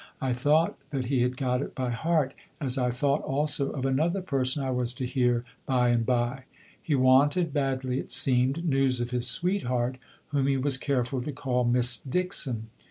I thought that he had got it by heart, as I thought also of another person I was to hear by and by. He wanted, badly it seemed, news of his sweetheart, whom he was careful to call Miss Dixon.